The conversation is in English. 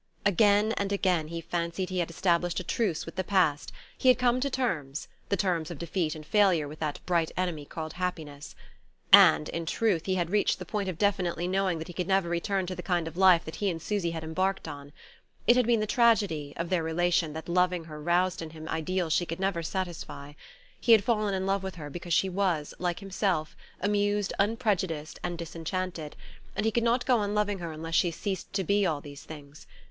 Again and again he fancied he had established a truce with the past: had come to terms the terms of defeat and failure with that bright enemy called happiness. And, in truth, he had reached the point of definitely knowing that he could never return to the kind of life that he and Susy had embarked on. It had been the tragedy, of their relation that loving her roused in him ideals she could never satisfy. He had fallen in love with her because she was, like himself, amused, unprejudiced and disenchanted; and he could not go on loving her unless she ceased to be all these things.